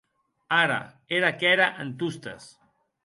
Ara, era qu’ère en Tostes.